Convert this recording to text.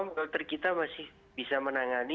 insya allah dokter kita masih bisa menangani